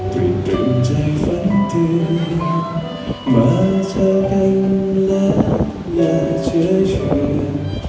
พริกเป็นใจฝันตื่นมาเจอกันและอย่าเจอเชื่อ